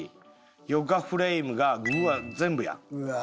ヨガフレイムがうわ全部や！